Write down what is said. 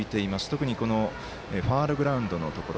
特にファウルグラウンドのところ。